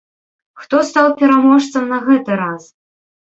Хто стаў пераможцам на гэты раз?